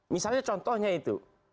misalnya contohnya itu